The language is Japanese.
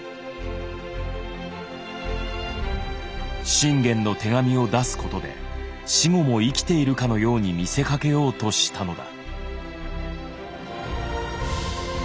信玄の手紙を出すことで死後も生きているかのように見せかけようとしたのだ。